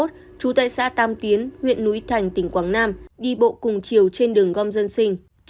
trú tại xã tam tiến huyện núi thành tỉnh quảng nam đi bộ cùng chiều trên đường gom dân sinh